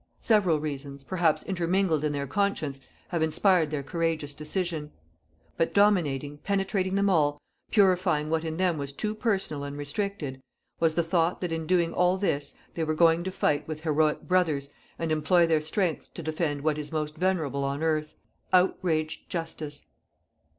Several reasons, perhaps intermingled in their conscience, have inspired their courageous decision...._ "_But dominating, penetrating them all, purifying what in them was too personal and restricted, was the thought that in doing all this they were going to fight with heroic brothers and employ their strength to defend what is most venerable on earth: outraged justice.